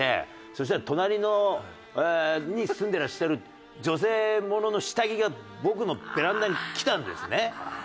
そしたら隣に住んでらっしゃる女性ものの下着が僕のベランダにきたんですね。